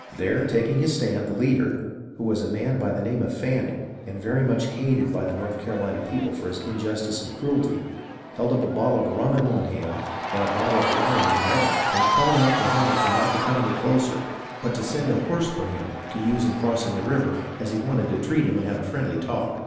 There taking his stand, the leader, who was a man by the name of Planning, and very much hated by the North Carohna people for his injustice and cruelty, held up a bottle of rum in one hand and a bottle of wine in the other, and called out to Hamilton not to THE FIRST BLOODSHED 2/ come any nearer, but to send a horse for him to use in crossing the river, as he wanted to treat him and have a friendly talk.